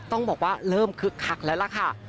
ต้องบอกว่าเริ่มคึกคักแล้วล่ะค่ะ